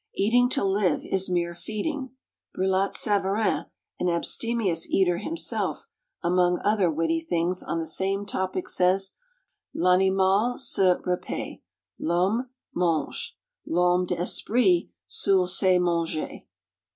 Eating to live is mere feeding. Brillat Savarin, an abstemious eater himself, among other witty things on the same topic says, "_L'animal se repait, l'homme mange, l'homme d'esprit seul sait manger.